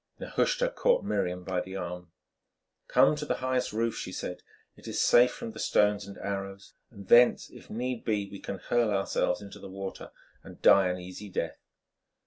Nehushta caught Miriam by the arm. "Come to the highest roof," she said; "it is safe from the stones and arrows, and thence, if need be, we can hurl ourselves into the water and die an easy death."